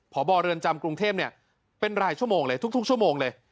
พบเรือนจำกรุงเทพเป็นรายชั่วโมงเลยทุกชั่วโมงเลย